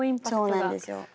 そうなんですよ。